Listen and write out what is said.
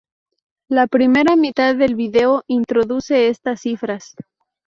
La primera mitad del video introduce estas cifras.